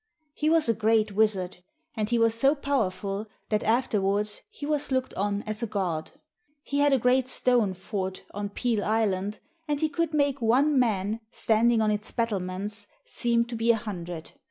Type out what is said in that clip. He was a great Wizard, and he was so powerful that afterwards he was looked on as a god. He had a great stone fort on Peel Island, and he could make one man, standing on its battlements, seem to be a hundred.